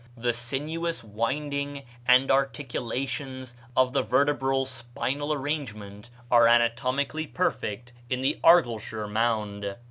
The sinuous winding and articulations of the vertebral spinal arrangement are anatomically perfect in the Argyleshire mound.